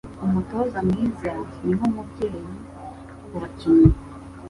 Umutoza mwiza ni nkumubyeyi kubakinnyi